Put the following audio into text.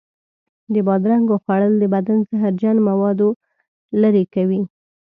د بادرنګو خوړل د بدن زهرجن موادو لرې کوي.